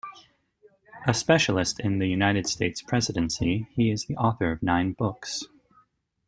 A specialist in the United States presidency, he is the author of nine books.